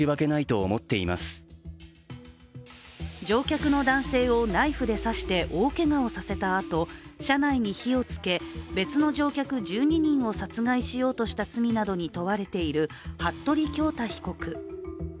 乗客の男性をナイフで刺して大けがをさせたあと車内に火をつけ、別の乗客１２人を殺害しようとした罪などに問われている服部恭太被告。